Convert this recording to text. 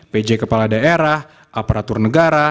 pj kepala daerah aparatur negara